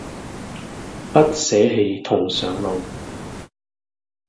不捨棄同上路